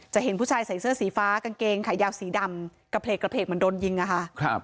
เห็นผู้ชายใส่เสื้อสีฟ้ากางเกงขายาวสีดำกระเพกเหมือนโดนยิงอะค่ะ